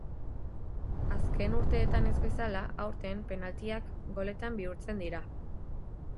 Azken urteetan ez bezala aurten penaltiak goletan bihurtzen dira.